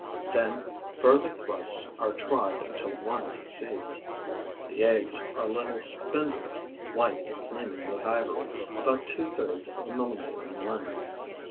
Then further thrusts are tried until one succeeds. The eggs are little spindles, white and gleaming like ivory, about two thirds of a millimeter in length.